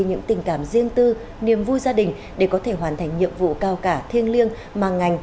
những tình cảm riêng tư niềm vui gia đình để có thể hoàn thành nhiệm vụ cao cả thiêng liêng mà ngành